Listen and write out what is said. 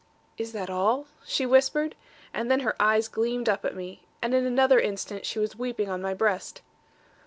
'Is that all?' she whispered; and then her eyes gleamed up at me; and in another instant, she was weeping on my breast.